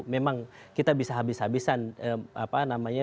memang kita bisa habis habisan berbicara tentang dpt